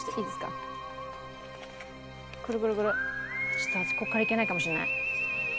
ちょっと私ここからいけないかもしれない。